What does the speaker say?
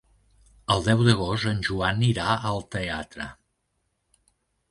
El deu d'agost en Joan irà al teatre.